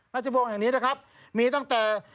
ราชวงศ์แห่งนี้นะครับมีตั้งแต่